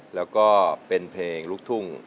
กลับมาเมื่อเวลาที่สุดท้าย